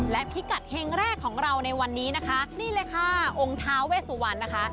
และพิกัดเฮงแรกของเราในวันนี้นะคะนี่เลยค่ะองค์ท้าเวสุวรรณนะคะ